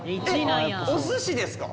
お寿司ですか？